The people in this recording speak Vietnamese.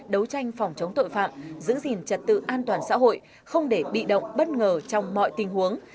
đấu tranh phòng chống tội phạm giữ gìn trật tự an toàn xã hội không để bị động bất ngờ trong mọi tình huống